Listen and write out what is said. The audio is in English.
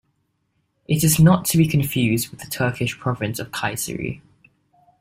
It is not to be confused with the Turkish province of Kayseri.